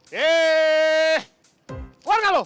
keluar gak lo